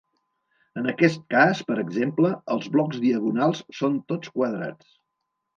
En aquest cas, per exemple, els blocs diagonals són tots quadrats.